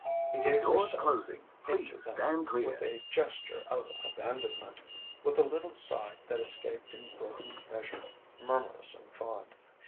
She gave herself into them with a gesture of abandonment, with a little sigh that escaped in broken measure, murmurous and fond.